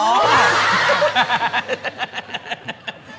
โอ้โห